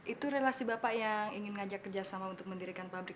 itu relasi bapak yang ingin ngajak kerjasama untuk mendirikan pabrik